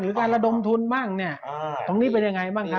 การระดมทุนบ้างเนี่ยตรงนี้เป็นยังไงบ้างครับ